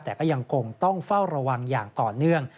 แต่ก็ยังคงต้องเฝ้าระวังอย่างต่อเนื่อง